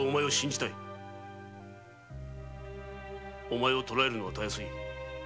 お前を捕らえるのはたやすい。